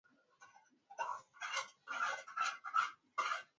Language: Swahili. kutumia motorways ambayo sio furaha sana ikiwa